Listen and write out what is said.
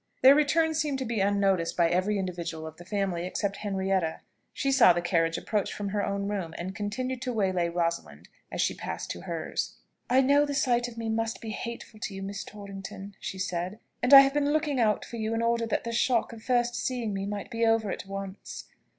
Their return seemed to be unnoticed by every individual of the family except Henrietta. She saw the carriage approach from her own room, and continued to waylay Rosalind as she passed to hers. "I know the sight of me must be hateful to you Miss Torrington," she said, "and I have been looking out for you in order that the shock of first seeing me might be over at once.